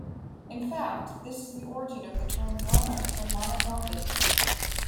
In fact, this is the origin of the term "normal" for monomorphisms.